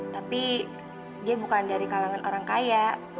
tapi dia bukan dari kalangan orang kaya